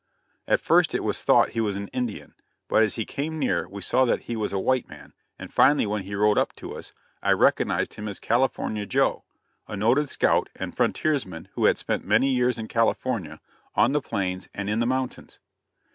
At first it was thought he was an Indian, but as he came near we saw that he was a white man, and finally when he rode up to us, I recognized him as "California Joe," a noted scout and frontiersman who had spent many years in California, on the plains and in the mountains.